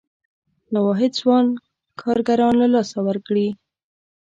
شواهد ځوان کارګران له لاسه ورکړي.